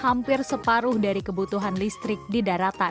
hampir separuh dari kebutuhan listrik di daratan